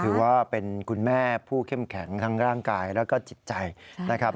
ถือว่าเป็นคุณแม่ผู้เข้มแข็งทั้งร่างกายแล้วก็จิตใจนะครับ